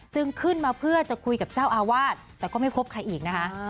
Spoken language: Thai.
ขึ้นมาเพื่อจะคุยกับเจ้าอาวาสแต่ก็ไม่พบใครอีกนะคะ